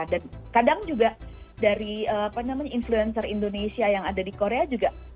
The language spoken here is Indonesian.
dan kadang juga dari apa namanya influencer indonesia yang ada di korea juga